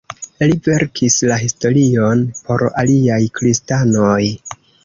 Li verkis la historion por aliaj kristanoj.